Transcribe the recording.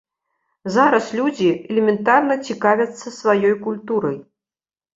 Зараз людзі элементарна цікавяцца сваёй культурай.